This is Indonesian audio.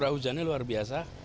hujannya luar biasa